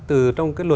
từ trong cái luật